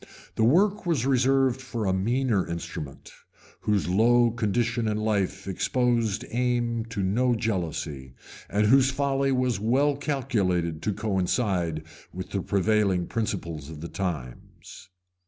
The work was reserved for a meaner instrument, whose low condition ir life exposed aim to no jealousy, and whose folly was well calculated to coincide with the prevailing principles of the times.